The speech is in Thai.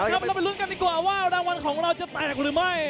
ครับเราไปรุ่นกันดีกว่าว่าระวันของเราจะแปลกหรือไม่